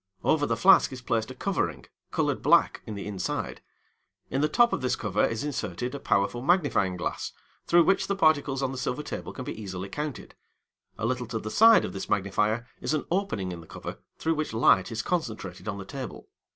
Over the flask is placed a covering, coloured black in the inside. In the top of this cover is inserted a powerful magnifying glass, through which the particles on the silver table can be easily counted. A little to the side of this magnifier is an opening in the cover, through which light is concentrated on the table.